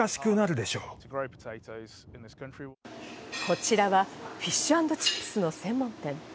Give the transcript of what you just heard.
こちらはフィッシュアンドチップスの専門店。